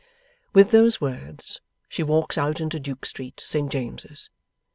With those words, she walks out into Duke Street, Saint James's.